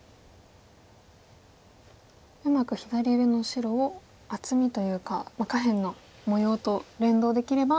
うまく左上の白を厚みというか下辺の模様と連動できれば。